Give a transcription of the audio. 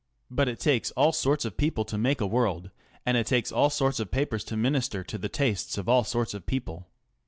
But it takes all sorts of people to make a world, and it takes all sorts of papers to minister to the tastes of all sorts of people.